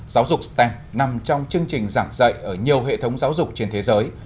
giáo dục stem nằm trong chương trình giảng dạy ở nhiều hệ thống giáo dục trên thế giới